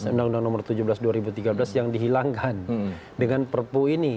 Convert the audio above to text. undang undang nomor tujuh belas dua ribu tiga belas yang dihilangkan dengan perpu ini